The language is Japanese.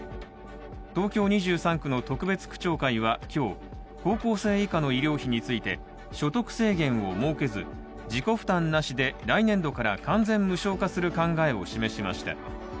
東京２３区の特別区長会は今日、高校生以下の医療費について所得制限を設けず、自己負担なしで、来年度から完全無償化する考えを示しました。